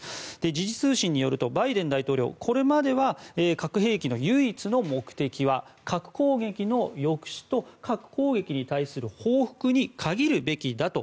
時事通信によりますとバイデン大統領、これまでは核兵器の唯一の目的は核攻撃の抑止と核攻撃に対する報復に限るべきだと